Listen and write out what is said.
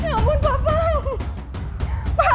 ya ampun bapak